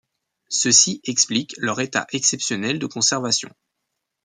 Ceci explique leur état exceptionnel de conservation.